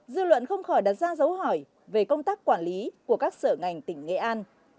dư luận không khỏi đặt ra dấu hỏi về công tác quản lý của các sở ngành tỉnh nghệ an